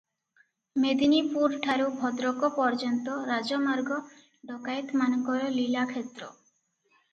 ମେଦିନିପୁର ଠାରୁ ଭଦ୍ରକ ପର୍ଯ୍ୟନ୍ତ ରାଜମାର୍ଗ ଡକାଏତମାନଙ୍କର ଲୀଳାକ୍ଷେତ୍ର ।